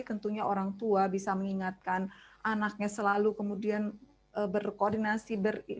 tentunya orang tua bisa mengingatkan anaknya selalu kemudian berkoordinasi